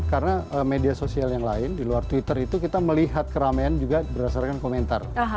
karena media sosial yang lain di luar twitter itu kita melihat keramaian juga berdasarkan komentar